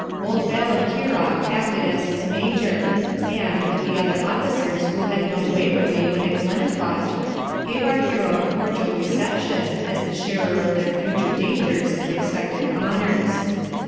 Old Ballenkeiroch acted as his major; and, with the other officers who had known Waverley when at Glennaquoich, gave our hero a cordial reception, as the sharer of their future dangers and expected honours.